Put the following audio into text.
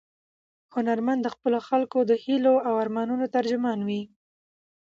هنرمند د خپلو خلکو د هیلو او ارمانونو ترجمان وي.